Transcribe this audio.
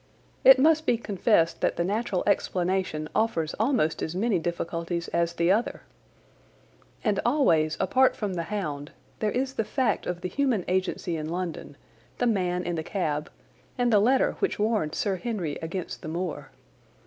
It must be confessed that the natural explanation offers almost as many difficulties as the other. And always, apart from the hound, there is the fact of the human agency in London, the man in the cab, and the letter which warned Sir Henry against the moor.